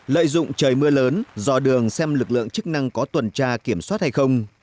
lợi dụng trời mưa lớn do đường xem lực lượng chức năng có tuần tra kiểm soát hay không